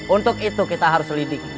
untuk itu kita harus lidik